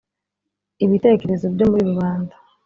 Ibitekerezo byo muri rubanda